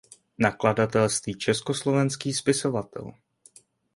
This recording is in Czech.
Nakladatelství Československý spisovatel.